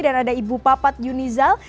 dan ada ibu papat yunizal